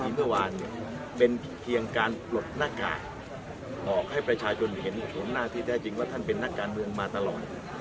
มันปลดหน้ากากออกให้ประชาชนเห็นโฉมหน้าที่แท้จริงว่าท่านเป็นนักการเมืองมาตลอด